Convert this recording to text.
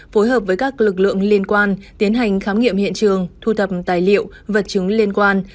phối hợp với các lực lượng liên quan tiến hành khám nghiệm hiện trường thu thập tài liệu vật chứng liên quan